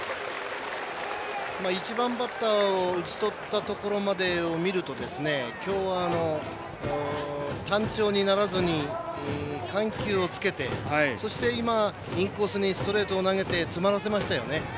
１番バッターを打ちとったところを見るときょうは単調にならずに緩急をつけてそして、今、インコースにストレートを投げて詰まらせましたよね。